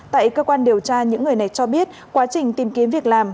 tại cơ quan điều tra những người này cho biết quá trình tìm kiếm việc làm